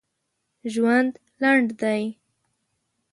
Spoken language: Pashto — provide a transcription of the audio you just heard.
ژوند لنډ دی